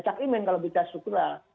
cak imin kalau bicara struktural